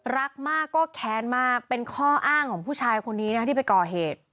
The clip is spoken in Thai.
รักมากก็แค้นมากเป็นข้ออ้างของผู้ชายคนนี้นะที่ไปก่อเหตุ